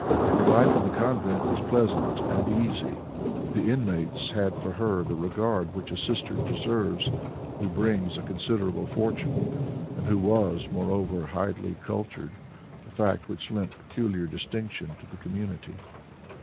Her life in the convent was pleasant and easy; the inmates had for her the regard which a sister deserves who brings a considerable fortune, and who was, moreover, highly cultured, a fact which lent peculiar distinction to the community.